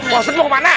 pak ustadz mau kemana